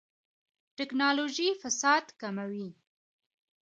ټکنالوژي فساد کموي